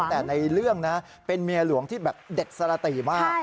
แต่ในเรื่องนะเป็นเมียหลวงที่แบบเด็ดสรติมาก